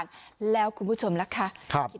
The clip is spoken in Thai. นี่นี่นี่นี่นี่นี่